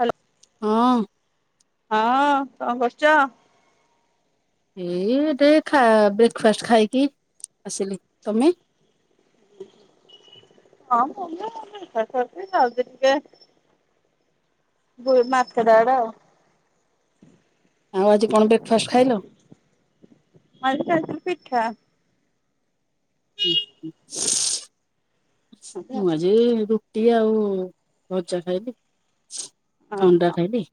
Hello. ହଁ। ହଁ ଅ କଣ କରୁଛ? ଏଇ ଟିକେ ଖା ବ୍ରେକ୍ ଫାଷ୍ଟ ଖାଇକି ଆସିଲି। ତମେ ହଁ ମୁଁ ଯାଇଛି ଟିକେ ମାର୍କେଟ ଆଡେ ଆଉ। ଆଉ ଆଜି କଣ ବ୍ରେକ୍ ଫାଷ୍ଟ ଖାଇଲ? ମୁଁ ଆଜି ଖାଇଥିଲି ପିଠା। ଉଁ ହିଁ। [unintelligible] [unintelligible] ମୁଁ ଆଜି ରୁ ରୁଟି ଆଉ ଭଜା ଖାଇଲି। ଥଣ୍ଡା ଓହୋ କାଇଁ ବେ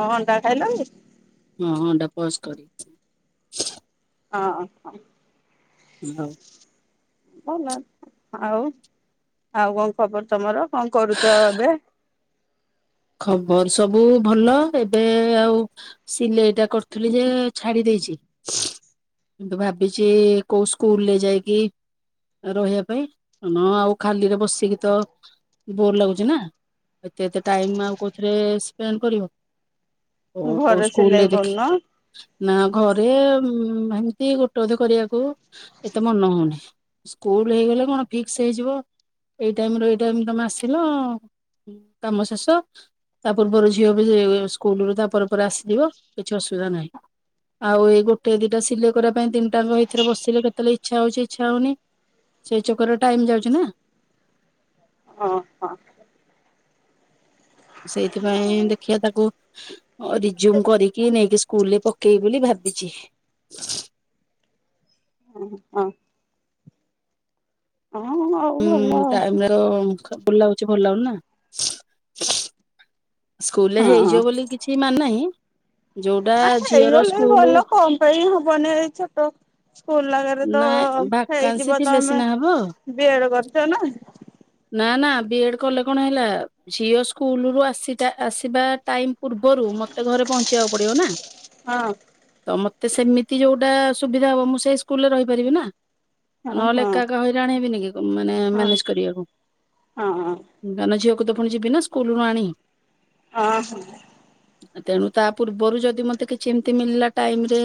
ଆଉ ଅଣ୍ଡା ଖାଇଲାନି। ପ୍ରପୋଜ କରି। [unintelligible] ହଁ ଅ ହଁ। [unintelligible] ଭଲ ଆଉ ଆଉ କଣ ଖବର ତମର କଣ କରୁଛ ଏବେ? ଖବର ସବୁ ଉ ଭଲ ଏବେ ଆଉ ସିଲେଇଟା କରୁଥିଲି ଯେ ଛାଡି ଦେଇେଛି ଏବେ ଭାବିଛି କୋଉ ସ୍କୁଲରେ ଯାଇକି ରହିବା ପାଇଁ ହଁ ଆଉ ଖାଲିରେ ବସିକି ତ ବୋର ଲାଗୁଛି ନା ଏତେ ଏତେ ଟାଇମ୍ କୋଉଥିରେ ଏ ଏ ସ୍ପେଣ୍ଡ କରିବ। ଓ କୋଉ ଘରେ ସିଲେଇ ସ୍କୁଲରେ ଦେଖ କରୁନ ନା ଘରେ ଆଉ ହେମିତି ଗୋଟେ ଅଧେ କରିବାକୁ ହେଇତେ ମନ ହଉନି ସ୍କୁଲ ହେଇଗଲେ କଣ ଫିକ୍ସ ହେଇଯିବ। ଏଇ ଟାଇମ୍ ରୁ ଏଇ ଟାଇମ୍ ତମେ ଆସିଲ କାମ ଶେଷ। ତା ପୂର୍ବରୁ ଝିଅ ବି ସ୍କୁଲୁ ରୁ ତା ପରେ ରେ ଆସିଯିବ କିଛି ଅସୁବିଧା ନାହିଁ। ଆଉ ଏଇ ଗୋଟେ ଦିଟା ସିଲେଇ କରିବା ପାଇଁ ତିନିଟାଙ୍କ ଭିତରେ ବସିଲେ କେତେବେଳେ ଇଛା ହଉଛି, ଇଛା ହଉନି ସେଇ ଚକର ରେ ଟାଇମ୍ ଯାଉଛି ନା। ହଁ ହଁ। ସେଇଥିପାଇଁ ଦେଖିଆ ତାକୁ ରିଜୁମ କରିକି ନେଇକି ସ୍କୁଲରେ ପକେବି ବୋଲି ଭାବିଛି। [inaudible] ହଁ ହଁ ଆଉ ଭଲ ହୁଁ ଆଉ ଟାଇମର ବୁଲାଉଛି ଭଲ ଲାଗୁନି ନା। ସ୍କୁଲରେ ହଁ। ହେଇଯିବ ବୋଲି କିଛି ମାନ ନାହିଁ। ଯୋଉ ହେଇଗଲେ ବି ଭଲ, କଣ ପାଇଁ ହବନି, ଏଇ ଛୋଟ ସ୍କୁଲ ଆଗରେ ତ ନା ଭାକାନ୍ସି ହେଇଯିବ ତ ଥିଲେ ଆମେ ସିନା ହବ ବି ଏଡ କରିଛ ନା। ନା ନା ବି ଏଡ କଲେ କଣ ହେଲା ଝିଅ ସ୍କୁଲ ରୁ ଆସି ତା ଆସିବା ଟାଇମ୍ ପୂର୍ବରୁ ମତେ ଘରେ ପହଞ୍ଚି ଯିବାକୁ ପଡିବ ନା। ହଁ। ମତେ ତ ସେମିତି ଯୋଉଟା ସୁବିଧାହବ ମୁଁ ସେଇସ୍କୁଲରେ ରହିପାରିବି ନା। ହଁ ନହେଲେ ଏକା ହଁ ଏକା ହଇରାଣ ହେବିନିକି ମାନେ ହଁ ମ୍ୟାନେଜ କରିବାକୁ ହଁ। ସାନଝିଅକୁ ମୁଁତ ପୁଣିଯିବିନା ସ୍କୁଲରୁୁ ଆଣି। ହଁ ହଁ। ତେଣୁ ତା ପୂର୍ବରୁ ଯଦି ମତେକିଛି ଏମିତି ମିଳିଲା ଟାଇମରେ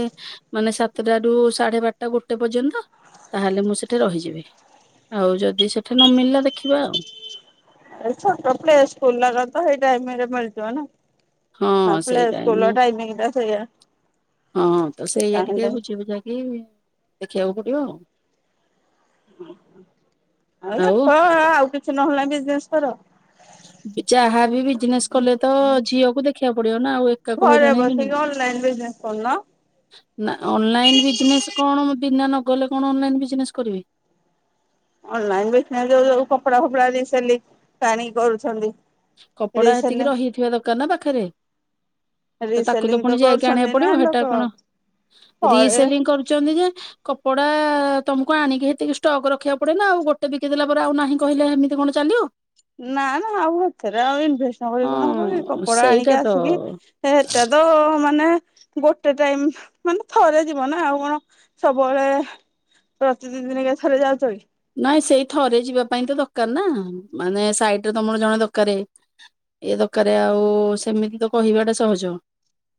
ମାନେ ସାତଟାରୁ ସାଢେ ବାରଟା ଗୋଟେ ପର୍ଯ୍ୟନ୍ତ ତାହେଲେ ମୁଁ ସେଠି ରହିଯିବି ଆଉ ଯଦି ସେଠି ନମିଳିଲା ଦେଖିବା ଆଉ। ଏଇ ଛୋଟ ପ୍ଲେ ସ୍କୁଲରାରେ ତ ହେଇ ଟାଇମରେ ମିଳିଯିବ ନା। ହଁ ସେଇ ପିଲେ ଟାଇମରେ ସ୍କୁଲର ଟାଇମିଙ୍ଗ ଟା ସେଇଆ। ହଁ ତ ସେଇଆ ଟିକେ ଚାହିଁଲେ ବୁଝି ବୁଝା କି? ଦେଖିବାକୁ ପଡିବ ଆଉ। ଆଉ ଦେ କ ଆଉ କିଛି ନହେଲା ବିଜନେସ କର ଯାହା ବି ବିଜିନେଶ କଲେ ତ ଝିଅକୁ ଦେଖିବାକୁ ପଡିବ। ନା ଆଉ ଏକା କ ଘରେ ହଇରାଣ ହେବିନି। ବସିକି ଅନଲାଇନରେ ବିଜିନେଶ କରୁନ। ନା ଅନଲାଇନ ବିଜିନେସ କଣ ମୁଁ ବିନା ନଗଲେ କଣ ଅନଲାଇନ ବିଜିନେସ କରିବି। ଅନଲାଇନ ବିଜିନେସ ଯୋଉ ଯୋଉ କପଡା ଫପଡା ସେଲିଙ୍ଗ ଆଣିକି କରୁଛନ୍ତି। କପଡା ହେତିକି ରିସେଲିଂ ରହିଥିବା ଦରକାରନା ପାଖରେ ତ ତାକୁତ ରିସେଲିଂ ପୁଣି ଯାଇକି କରୁଛନ୍ତି ଆଣିବାକୁ ପଡିବ ନା ହେଟା ଲୋକ କଣ ଘରେ ରିସେଲିଙ୍ଗ କରୁଛନ୍ତି ଯେ କପଡା ତମକୁ ଆଣିକି ହେତିକି ଷ୍ଟକ ରଖିବାକୁ ପଡେନା ଆଉ ଗୋଟେ ବିକି ଦେଲା ପରେ ଆଉ ନାହିଁ କହିଲେ ଏମିତି କଣ ଚାଲିବ। ନା। ଆଉ ଏଥରେ ଆଉ ଇନଭେଷ୍ଟ ନ କଲେ କଣ ହେବକି ହଁ କପଡା ସେଇଟା ଆଣିକି ଆସିକି ତ ଏଟା ତ ନା ଗୋଟେ ଟାଇମ ମାନେ ଥରେ ଯିବନା ଆଉ କଣ ସବୁବେଳେ ପ୍ରତି ଦି ଦିନେକେ ଥରେ ଯାଉଛକି? ନାଇଁ ସେଇ ଥରେ ଯିବା ପାଇଁ ତ ଦରକାରନା ମାନେ ସାଇଟିରେ ତମର ଜଣେ ଦରକକାର ଏ ଦରକାର ଆଉ ସେମିତି ତ କହିବାଟା ସହଜ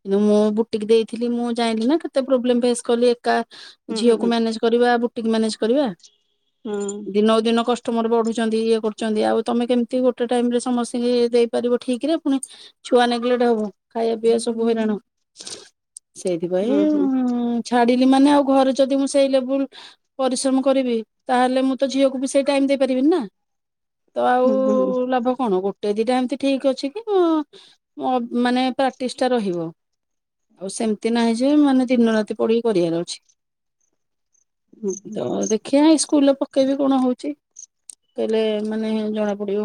କିନ୍ତୁ ମୁଁ ବୁଟିକି ଦେଇଥିଲି ମୁଁ ଜାଣିଲିି ନା କେତେ ପ୍ରୋବ୍ଲେମ ଫେସ୍ କଲି। କା ହୁଁ ଝିଅକୁ ହୁଁ ମ୍ୟାନେଜ କରିବାକୁ ଟିକେ ମ୍ୟାନେଜ କରିବା। ହୁଁ ଦିନ ଦିନ କଷ୍ଟ କଷ୍ଟମର ବଢୁଛନ୍ତି ଇଏ କରୁଛନ୍ତି ଆଉ ତମେ କେମିତି ଗୋଟେ ଟାଇମ ରେ ସମସ୍ତଙ୍କୁ ଦେଇପାରିବ ଠିକରେ ପୁଣି ଛୁଆ ନେଗେଲେଟ ହବ ଖାଇବା ପିଇବା ସବୁ ହଇରାଣ। ସେଇଥିପାଇଁ ହୁଁ ହୁଁ ଛାଡ ଇଏ ମାନେ ଆଉ ଘରେ ଯଦି ମୁଁ ସେଇ ଲେବୁଲ ପରିଶ୍ରମ କରିବି। ତାହେଲେ ମୁଁତ ଝିଅକୁବି ସେଇ ଟାଇମ ଦେଇପାରିବିନିନା ତ ଆଉ ହୁଁ ହୁଁ ଲାଭକଣ ଗୋଟେ ଗୋଟେ ଦିଟା ଏମତି ଠିକ ଅଛିକି ମାନେ ପ୍ରାକ୍ଟିସଟା ରହିବ ଆଉ ସେମିତି ନାହିଁଯେ ମାନେ ଦିନ ରାତି ପଡ଼ିକି କରିବାର ଅଛି‌। ହୁଁ ହୁଁ। ତ ଦେଖିଆ ଇସ ସ୍କୁଲରେ ପକେଇବି କଣ ହଉଛି। କହିଲେ ମାନେ ଜଣା ପଡିବ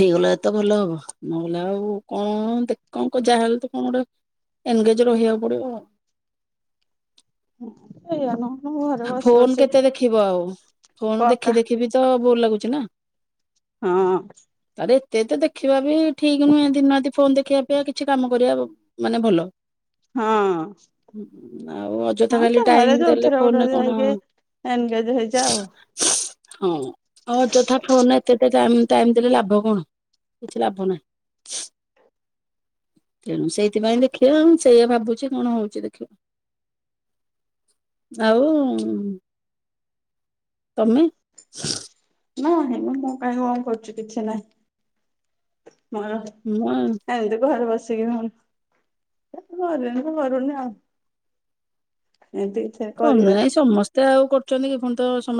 ହେଇଗଲା ଏତେ ଭଲ ହବ ନହଲେ ଆଉ କଣ ଦେଖ କଣ ଯାହାହଲେ ତ କଣ ଗୋଟେ ଏନେଗେଜ ରହିବାକୁ ପଡିବ। ହଁ ସେଇୟାନୁହ ଫୋନ କେତେ ଦେଖିବ ଆଉ ଫୋନ କକା ଦେଖି ଦେଖିବି ତ ବୋର ଲାଗୁଛି ନା। ହଁ। ତାରେ ଏତେ ତ ଦେଖିବା ବି ଠିକ ନୁହେଁ ଦିନ ରାତି ଫୋନ ଦେଖିବା ଅପେକ୍ଷା କିଛି କାମ କରିବା ମାନେ ଭଲ। ହଁ ଆଉ ଅଯଥା ହଁ ଖାଲି ଯାହାହେଲେ ଟାଇମ ଦେଲେ ଫୋନରେ କଣ [unintelligible] ଏନଗେଜ ହେଇଯା ଆଉ। ହଁ। ଅଯଥା ଫୋନ ରେ ଏତେ ଏତେ ଟାଇମ ଟାଇମ ଦେଲେ ଲାଭ କଣ କିଛି ଲାଭ ନାହିଁ ତେଣୁ ସେଇଥିପାଇଁ ଦେଖିବା ମୁଁ ସେଇଆ ଭାବୁଛି କଣ ହଉଛି ଦେଖିବା। ଆଉ ତମେ ନାହିଁ ମ ମୁଁ କାଇଁ କଣ କରୁଛି କିଛି ନାହିଁ। ମୋର ମୁଁ ଆଉ ଏମତି ଘରେ ବସ [unintelligible] କରୁନି ଆଉ। ଏମିତି କିଛି କରିବା [unintelligible] ସମସ୍ତେ ଆଉ କରୁଛନ୍ତି କି ପୁ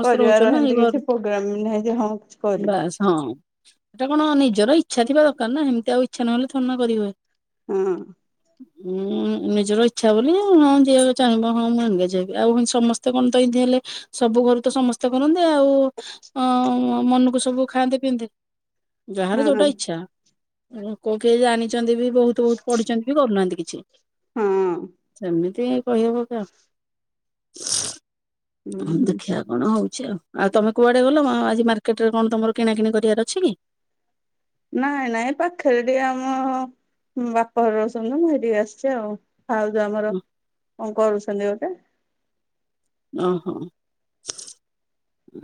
କରିବାର ହେନ୍ତି କିଛି ପ୍ରୋଗ୍ରାମ ବି ନାହିଁ ଯେ ହଁ କିଛି କରିବି। ଏଇଟା କଣ ନିଜର ଇଚ୍ଛା ଥିବା ଦରକାର ନା ହେମିତି ଆଉ ଇଚ୍ଛା ନହେଲେ ଥୋଡି ନା କରିହୁଏ। ହଁ। ଉୁଁ ନିଜର ଇଚ୍ଛା ବୋଲି ହଁ ଯିଏ ଚାହିଁବ ହଁ ମୁଁ ଏନଗେଜ ହେ [unintelligible] ସମସ୍ତେ କଣ ତ ଏମତି ହେଲେ ସବୁ ଘରୁ ତ ସମସ୍ତେ କରନ୍ତି। ଆଉ ଅ ମ ମନକୁ ସବୁ ଖାଆନ୍ତେ ପିଅନ୍ତେ। ଯାହାର ହଁ ଯଉଟା ହଁ ଇଚ୍ଛା [unintelligible] କିଏ ଜାଣି ଅଛନ୍ତି ବି ବହୁତ ବହୁତ ପଢିଛନ୍ତି ବି କରୁନାହାନ୍ତି କିଛି। ହଁ। [unintelligible] [inaudible] ହୁଁ ହଁ ହୁଁ ଦେଖିଆ କଣ ହଉ ଚି ଆଉ ତମେ କୁଆଡ଼େ ଗଲ ଆଁ ଆଜି ମାର୍କେଟରେ କଣ ତମର କିଣାକିଣି କରିବାର ଅଛି କି? ନାଇଁ ନାଇଁ ପାଖରେ ଟିକେ ଆମ ବାପ ଘର ରହୁଛନ୍ତି ତ ମୁଁ ହେଇଠିକି ଆସିଛି ଆଉ। ଆଉ ତ ଆମର କଣ କରୁଛନ୍ତି ଗୋଟେ। ଓ ହୋ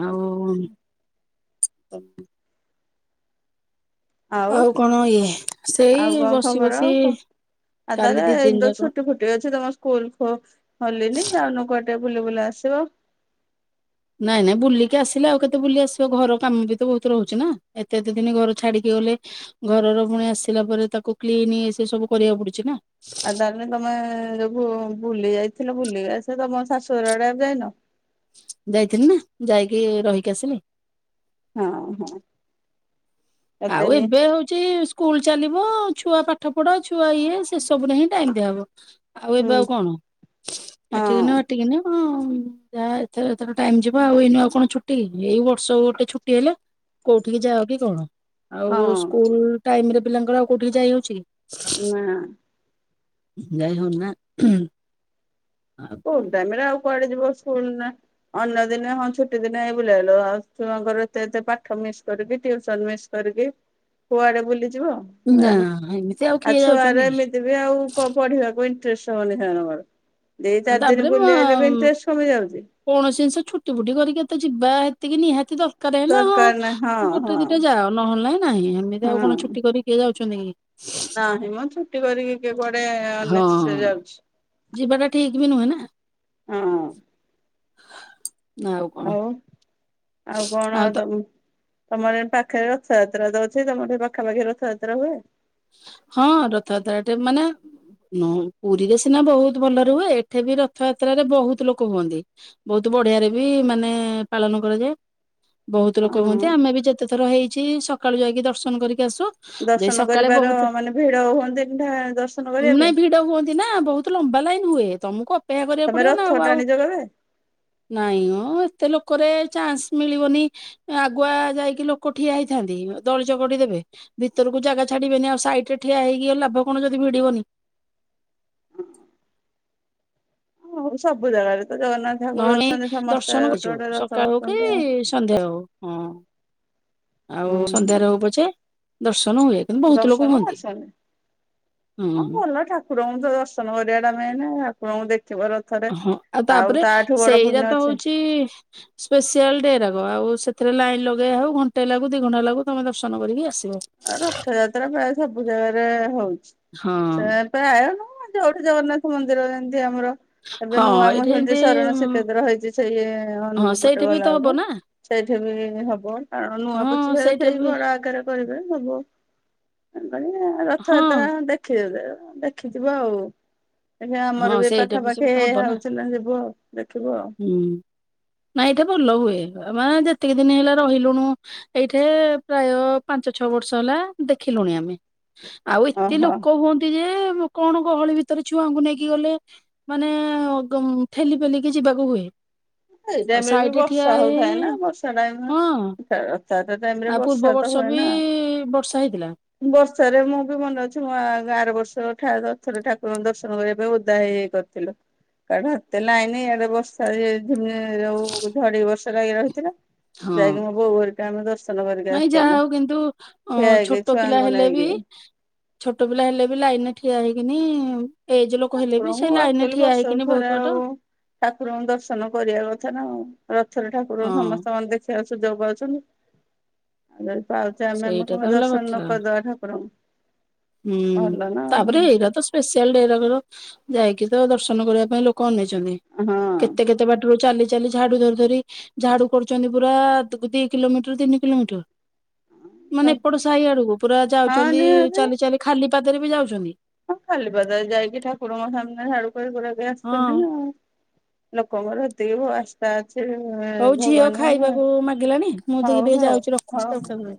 ଆଉ। ଆଉ କଣ ଇଏ ସେଇ ଆଉ କଣ ବସି ଖବର ବସି ଅ ଆଉ କାଲି ତାହେଲେ ଦି ଦିନ ଏଇନେ ତ ଯାକ ଛୁଟି ଫୁଟି ଅଛି ତମ ସ୍କୁଲ ଖୋ ଖୋଲିନି ଯାଉନୁ କୁଆଡ ବୁଲି ବୁଲା ଆସିବ। ନାଇଁ ନାଇଁ ବୁଲିକି ଆସିଲା ଆଉ କେତେ ବୁଲି ଆସିବ ଘର କାମ ବି ତ ବହୁତ ରହୁଛି ନା ଏତେ ଏତେ ଦିନ ଘର ଛାଡିକି ଗଲେ ଘରର ପୁଣି ଆସିଲା ପରେ ତାକୁ କ୍ଲିନ ସେ ସବୁ କରିବାକୁ ପଡୁଛି ନା। ଆଉ ତାହେଲେ ତମେ ଯୋଗୁ ବୁଲି ଯାଇଥିଲ ବୁଲିିକି ଆସ ତମ ଶାଶୁୁ ଘର ଆଡେ ଆଉ ଯାଇନ? ଯାଇଥିଲି ନା ଯାଇକି ରହିକି ଆସିଲି। ହଁ ହଁ। ଆଉ ଏତେନି ଏବେ ହଉଛି ସ୍କୁଲ ଚାଲିବ। ଛୁଆ ପାଠ ପଢ ଛୁଆ ଇଏ ସେ ସବୁରେ ହିଁ ଟାଇମ ଦିଆ ହବ। ଆଉ ଏବେ ହୁଁ ଆଉ କଣ ଏଠିକିନ ହଁ ହାଟିକିିନ କ ଯାହା ଏଥର ଏଥର ଟାଇମ ଯିବ ଆଉ ଏଇନୁ ଆଉ କଣ ଛୁଟି ଏଇ ବର୍ଷ ଗୋଟେ ଛୁଟି ହେଲେ କୋଉଠିକି ଯାଅ କି କଣ। ଆଉ ହଁ। ସ୍କୁଲ ଟାଇମରେ ପିଲାଙ୍କର ଆଉ କଉଠି କି ଯାଇ ହଉଛି ନା। ଯାଇ ହଉ ନି ନା। ଆଉ [unintelligible] କଣ କୁଆଡେ ଯିବ ସ୍କୁଲ ଅନ୍ୟ ଦିନେ ହଁ ଛୁଟି ଦିନ ହେଇ ବୁଲି ଆଇଲ ଆଉ ଛୁଆଙ୍କର ଏତେ ଏ ପାଠ ମିସ୍ କରିକିସ ମିସ୍ କରିକି କୁଆଡେ ବୁଲି ନା ଆଉ ଏମିତି ଆଉ କିଏ ଯାଉଛନ୍ତି ଛୁଆର କି ଏମିତି ବି ଆଉ ପଢିବାକୁ [unintelligible] ଦିନ ତାପରେ ମୁଁ ବୁଲି ଆଇଲେ ବି ଇଣ୍ଟରେଷ୍ଟ କମି ଯାଉଛି କୌଣସି ଜିନିଷ ଛୁଟି ଫୁଟି କରିକି ଏତେ ଯିବା ସେତିକି ନିହାତି ତ ଦରକାର ହେଲା ହଁ ଗୋଟେ ଦିଟା ଯାଅ ନହେଲେ ନାହିଁ ଏମିତି ଆଉ ହଁ କଣ ଛୁଟି କରି କିଏ ଯାଉଛନ୍ତି କି ନାହିଁ ମ ଛୁଟି କରିକି କିଏ କୁଆଡେ ହଁ ଅନେସେସେରି ଯାଉଛି। ଯିବାଟା ଠିକ୍ ବି ନୁହେଁ ନା [inaudible] ହଁ [inaudible] ନା ଆଉ କଣ? ଆଉ କଣ ତ ତମର ପାଖରେ ରଥଯାତ୍ରା ଯାଉଛି ତମର ସେଠୀ ପାଖାପାଖି ରଥଯାତ୍ରା ହୁଏ? ହଁ ରଥଯାତ୍ରାଟେ ମାନେ ପୁରୀରେ ସିନା ବହୁତ ଭଲରେ ହୁଏ। ଏଠି ବି ରଥଯାତ୍ରାରେ ବହୁତ ଲୋକ ହୁଅନ୍ତି। ବହୁତ ବଢିଆରେ ବି ମାନେ ପାଳନ କରାଯାଏ। ବହୁତ ଲୋକ ହୁଅନ୍ତି ହଁ ଆମେ ବି ଯେତେ ଥର ହେଇ ଅଛି ସକାଳୁ ଯାଇକି ଦର୍ଶନ କରିକି ଆସୁ। ଯେ ଦର୍ଶନ କରି ସକାଳେ ବାର ବହୁତ ମାନେ ଭିଡ ହୁଅନ୍ତି ଠା ଦର୍ଶନ କରିବା ପାଇଁ। ବା ଲାଇନ ହୁଏ, ତମକୁ ଅପେକ୍ଷା କରିବାକୁ ତମେ ପଡିବ ନା ରଥ ଆଉ, ଆଉ ଟାଣିଛ କେବେ? ନାଇଁ ଉଁ ଏତେ ଲୋକରେ ଚାନ୍ସ ମିଳିବନି ଆଗୁଆ ଯାଇକି ଲୋକ ଠିଆ ହେଇଥାନ୍ତି ଦଳି ଚକଡି ଦେବେ ଭିତରକୁ ଜାଗା ଛାଡିବେନି ଆଉ ସାଇଟରେ ଠିଆ ହେଇକି ଆଉ ଲାଭ କଣ ଯଦି ଭିଡିବନି। ହଁ ସବୁ ଜାଗାରେ। ତ ଜଗନ୍ନାଥ ଠାକୁର ନହଲେ ଅଛନ୍ତି ସମସ୍ତେ ଦର୍ଶନ ଗୋଟେ କରିଯାଉ ଗୋଟେ ରଥ ସକାଳ ହଉ କି ବସୁଛନ୍ତି ଆଉ। ସନ୍ଧ୍ୟା ହଉ। ହଁ। ଆଉ ହୁଁ ହୁଁ ସନ୍ଧ୍ୟାରେ ହଉ ପଛେ ଦର୍ଶ ଦର୍ଶନ କରିଛନ୍ତି ହଁ ହୁଁ। ଭଲ ଠାକୁରଙ୍କୁ ତ ଦର୍ଶନ କରିବା ଟା ନାଇଁ ନା ଆପଣଙ୍କୁ ଦେ ହଁ ଆଉ ତାପରେ ବଡ ସେଇଟା ପୁଣ୍ୟ ତ ଅଛି ହଉଛି ସ୍ପେସିଆଲ୍‌ ଡେ ରାକ ଆଉ ସେ ହେଲେ ଲାଇନ୍‌ ଲଗେଇବା ହଉ ଘଣ୍ଟେ ଲାଗୁ ଦି ଘଣ୍ଟା ଲାଗୁ ତମେ ଦର୍ଶନ କରିକି ଆସ ଆଉ ରଥଯାତ୍ରା ପ୍ରାୟ ସବୁ ଜାଗାରେ ହଉଛି ହଁ ସେ ପ୍ରାୟନୁ ଯଉଠି ଜଗନ୍ନାଥ ମନ୍ଦିର [inaudible] ଆମର ଏବେ ହଁ ନୂଆ ଏଇଠି ଏମତି ନାଇରଥଯାତ୍ରା ହଁ ସେଇଠି ବି ତ ହବ ନା ହଁ ସେଇଠି ବି ହଁ ଦେଖି କେବେ ଦେଖିଥିବ ଆଉ। ଏବେ ହଁ ଆମର ବି ସେଇଟା ସବୁ ପାଖାପାଖି ତ ଇ ହବ ହଉଛି ନା ଯିବୁ ଆଉ ଦେଖିବୁ ଆଉ। ନାଇ ଏଇଠେ ଭଲ ହୁଏ ବା ଯେତିକି ଦିନ ହେଲା ରହିଲୁଣୁ ଏଇଠେ ପ୍ରାୟ ପାଞ୍ଚ ଛଅ ବର୍ଷ ହେଲା ଦେଖିଲୁଣି ଆମେ। ଆଉ ଏତେ ଓହୋ ଲୋକ ହୁଅନ୍ତି ଯେ କଣ ଗହଳି ଭିତରେ ଛୁଆଙ୍କୁ ନେଇ କି ଗଲେ ମାନେ ଠେଲି ପେଲିିକି ଯିବାକୁ ହୁଏ। ଏଇ ଆଉ ଟାଇମରେ ବି ସାଇଡରେ ଠିଆ ବର୍ଷା ହେଇ ହଉଥାଏ ନା ବର୍ଷା ଟାଇମ୍ ହଁ ଟା ତାଟା ଟାଇମରେ ଆଉ ପୂର୍ବ ବର୍ଷା ତ ବର୍ଷ ହୁଏ ବି ନା ବର୍ଷା ହେଇଥିଲା ବର୍ଷାରେ ମୁଁ ବି ମନେ ଅଛି ଆ ଗାଁ ରେ ବର୍ଷା [unintelligible] ରଥରେକୁରଙ୍କ ଦର୍ଶନ କରିବା ପାଇଁ ଓଦା ହେଇଯାଇ କରିଥିଲ କାଡ ହାତେ ଲାଇନ ଇଆଡେ ବର୍ଷା ଯେ ଆଉ ଝଡ଼ି ବର୍ଷ ରଇ ରହିଥିଲା। ହଁ ଯାଇକି ମୁଁ ବୋଉ ଘରେ କାମ ଦଶ ନାଇଁ ଯାହା ହଉ କିନ୍ତୁ ଅ ହେଇକି ଛୋଟ ପିଲା ଛୁଆଙ୍କୁ ହେଲେ ନେଇକି। ବି ଛୋଟ ପିଲା ହେଲେ ବି ଲାଇନ୍‌ରେ ଠିଆ ହେଇ କିିନି ଠାକୁରଙ୍କୁ ଆକ୍ଚଲି ବର୍ଷକୁ ବହୁତ ଥରେ ବାଟ ଆଉ ଠାକୁରଙ୍କୁ ଦର୍ଶନ କରିବା କଥା ନା ଆଉ। ରଥ ର ଠାକୁର ହଁ ସମସ୍ତେ କନ୍ ଦେଖି ସୁଯଗ ପାଉଛନ୍ତି। ପାଉଛେ ଆମେ ସେଇଟା ତ ଆମେ ହେଲା କଥା ଦର୍ଶନ କରିଦବା ଠାକୁରଙ୍କୁ ହୁଁ ଭଲ ନା ଆଉ। ତାପରେ ଏଇରା ତ ସ୍ପେଶାଲ ଡେ ରା ଯାଇକି ତ ଦର୍ଶନ କରିବା ପାଇଁ ଲୋକ ଅନେଇ ଛନ୍ତି କେତେ ହଁ କେତେ ବାଟରୁ ଚାଲି ଚାଲି ଝାଡ଼ୁ ଧରି ଧରି ଝାଡ଼ୁ କରୁଛନ୍ତି ପୁରା ଦି କିଲୋମିଟର ତିନି କିଲୋମିଟର ମାନେ ଏପଟ ସାଇ ଆଡକୁ ପୁରା ହଁ ନିହାତି ଯାଉଛନ୍ତି- ଖାଲି ପାଦରେ ବି ଯାଉଛନ୍ତି। ହଁ ଖାଲି ପାଦରେ ଯାଇକି ଠାକୁରଙ୍କ ସାମ୍ନା ଆଡୁ ସକାଳୁ ପୁରା ଗ୍ୟାସ ହଁ କରିଦେମି ଆଉ। ଲୋକଙ୍କର ଦେବ ଆସାତା। ହଉ ଝିଅ ଖାଇବାକୁ ମାଗିଲାଣି ମୁଁ ତ ହଉ ଏବେ ହଉ ଯାଉଛି ରଖୁଛି ସକାଳୁ ହଉ। କରିବା।